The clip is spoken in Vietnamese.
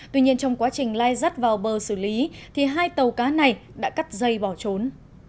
tuy nhiên trong quá trình lai rắt vào bờ xử lý thì hai tàu cá này đã cắt dây bỏ trốn